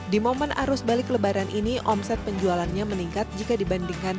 di momen arus balik lebaran ini omset penjualannya meningkat jika dibandingkan